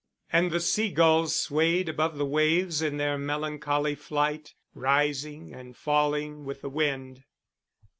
And the seagulls swayed above the waves in their melancholy flight, rising and falling with the wind.